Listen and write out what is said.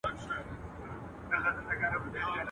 o اوښ د باره ولوېدی، د بړ بړه و نه لوېدی.